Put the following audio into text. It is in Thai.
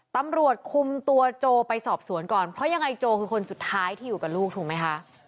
ตำรวจคุมตัวโจไปสอบสวนก่อนเพราะยังไงโจคือคนสุดท้ายที่อยู่กับลูกถูกไหมคะ